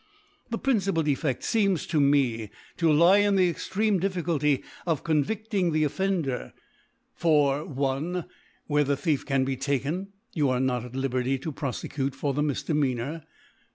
The principal Defedt feems, to me, to lie in the extreme Difficulty of convidling the Offender ; for, 1. Where the Thief can be taken, you are not at Liberty to prpfecutc for the Mif demeanour.